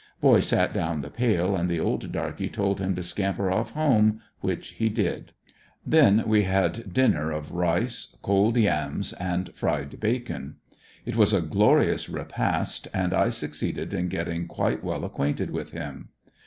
Boy sat down the pail and the old darkey told him to scamper off home — which he did Then we had dinner of rice, cold yams and fried bacon. It was a glorious repast, and I succeeded in getting quite well acquainted with him.